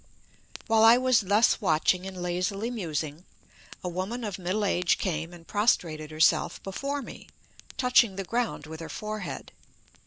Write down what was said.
While I was thus watching and lazily musing, a woman of middle age came and prostrated herself before me, touching the ground with her forehead.